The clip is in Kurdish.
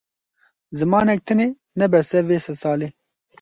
Zimanek tenê ne bes e vê sedsalê.